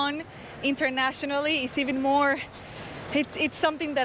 เรื่องคิดว่ามันเป็นสิ่งที่ฉันเดิมรักไม่ได้